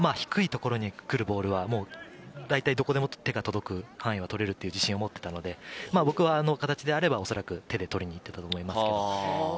僕も低い所に来るボールは、どこでも手が届く範囲は取れるっていう自信を持っていたので、僕はあの形であれば、僕は手で取りに行っていたと思います。